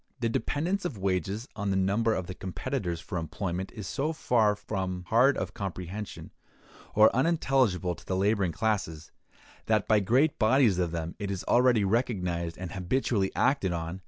The dependence of wages on the number of the competitors for employment is so far from hard of comprehension, or unintelligible to the laboring classes, that by great bodies of them it is already recognized and habitually acted on.